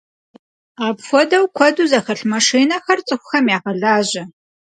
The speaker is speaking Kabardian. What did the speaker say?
Апхуэдэу куэду зэхэлъ машинэхэр цӀыхухэм ягъэлажьэ.